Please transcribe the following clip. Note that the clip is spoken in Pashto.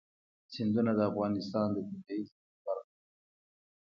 سیندونه د افغانستان د طبیعي زیرمو برخه ده.